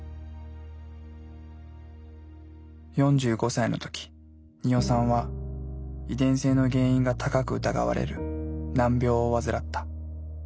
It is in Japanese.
４５歳の時鳰さんは遺伝性の原因が高く疑われる難病を患った。